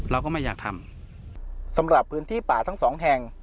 เราก็ไม่อยากทำสำหรับพื้นที่ป่าทั้งสองแห่ง